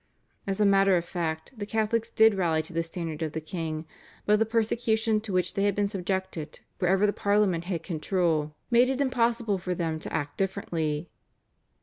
As a matter of fact the Catholics did rally to the standard of the king, but the persecution to which they had been subjected wherever the Parliament had control made it impossible for them to act differently.